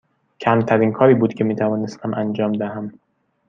کمترین کاری بود که می توانستم انجام دهم.